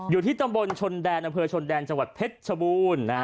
อยู่ที่ตำบลชนแดนอำเภอชนแดนจังหวัดเพชรชบูรณ์